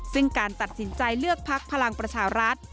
ซึ่งการตัดสินใจเลือกพักพลังประชารัฐ